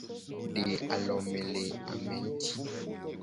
De alome le ame nguti.